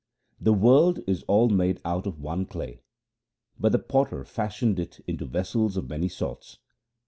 The world is all made out of one clay, But the Potter fashioned it into vessels of many sorts.